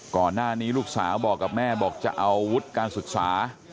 ก่อนหน้านี้ลูกสาวบอกกับแม่บอกจะเอาอาวุธการศึกษา